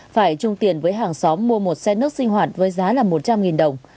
phải chung tiền với hàng xóm mua một xe nước sinh hoạt với giá là một trăm linh đồng